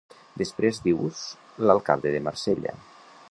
Després dius l'alcalde de Marsella.